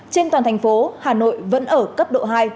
trên toàn thành phố hà nội vẫn ở cấp độ hai